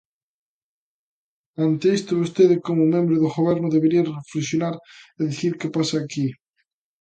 Ante isto, vostede, como membro do Goberno, debería reflexionar e dicir, ¿que pasa aquí?